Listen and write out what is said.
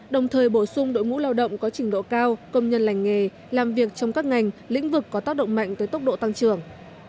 đồng thời bổ sung đội ngũ lao động có trình độ cao công nhân lành nghề làm việc trong các ngành lĩnh vực có tác động mạnh tới tốc độ tăng trưởng